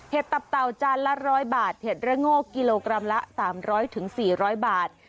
ตับเต่าจานละ๑๐๐บาทเห็ดระโง่กิโลกรัมละ๓๐๐๔๐๐บาท